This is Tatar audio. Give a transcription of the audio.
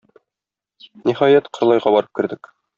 Ниһаять, Кырлайга барып кердек.